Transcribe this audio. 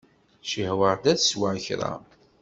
Cihwaɣ-d ad sweɣ kra.